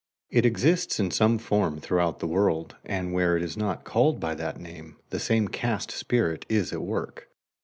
It exists in some form throughout the world, and where it is not called by that name, the same caste spirit is at work.